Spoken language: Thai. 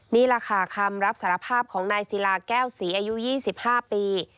นี่แหละค่ะคำรับสารภาพของนายศิลาแก้วศรีอายุ๒๕ปี